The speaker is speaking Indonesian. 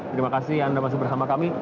terima kasih anda masih bersama kami